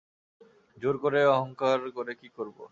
জোর করে অহংকার করে কী করব?